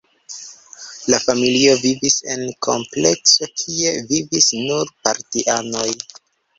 La familio vivis en komplekso, kie vivis nur partianoj.